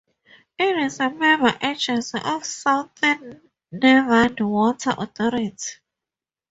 It is a member agency of the Southern Nevada Water Authority.